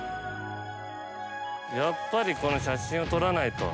やっぱり写真を撮らないと。